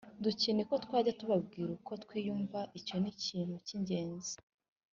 Ducyeneye ko twajya tubabwira uko twiyumva Icyo ni ikintu k’ ingenzi